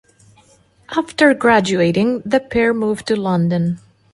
After graduating, the pair moved to London.